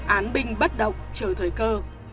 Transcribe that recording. án binh bất động chờ thời cơ